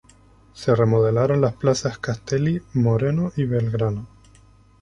Se remodelaron las Plazas Castelli, Moreno y Belgrano.